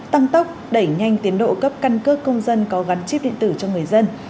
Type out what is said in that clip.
tăng tốc đẩy nhanh tiến độ cấp căn cước công dân có gắn chip điện tử cho người dân